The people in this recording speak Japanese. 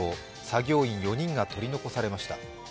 作業員４人が取り残されました。